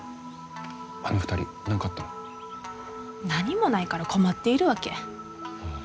何もないから困っているわけ。